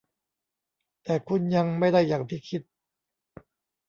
แต่คุณยังไม่ได้อย่างที่คิด